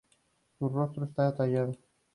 Su rostro está tallado.